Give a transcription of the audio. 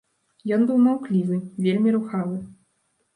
Ён быў маўклівы, вельмі рухавы.